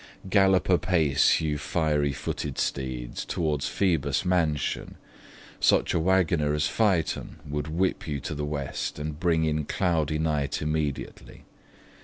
Gallop apace, you fiery footed steeds, Towards Phoebus' mansion; such a wagoner As Phaeton would whip you to the west, And bring in cloudy night immediately.